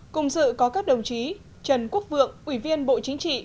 cùng dự có các đồng chí trần quốc vượng ủy viên bộ chính trị